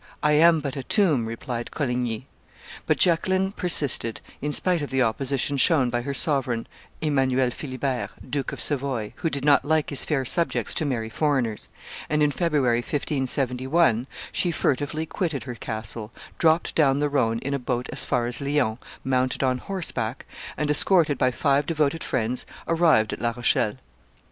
"I am but a tomb," replied Coligny. But Jacqueline persisted, in spite of the opposition shown by her sovereign, Emmanuel Philibert, Duke of Savoy, who did not like his fair subjects to marry foreigners; and in February, 1571, she furtively quitted her castle, dropped down the Rhone in a boat as far as Lyons, mounted on horseback, and, escorted by five devoted friends, arrived at La Rochelle.